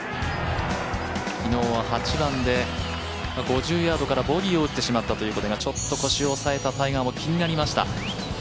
昨日は８番で５０ヤードからボギーを打ってしまったということでちょっと腰を押さえたタイガーも気になりました。